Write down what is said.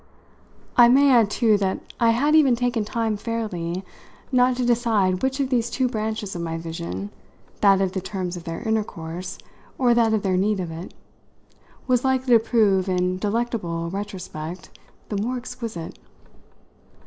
I may add too that I had even taken time fairly not to decide which of these two branches of my vision that of the terms of their intercourse, or that of their need of it was likely to prove, in delectable retrospect, the more exquisite.